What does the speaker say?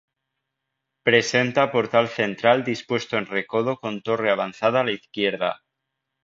Presenta portal central dispuesto en recodo con torre avanzada a la izquierda.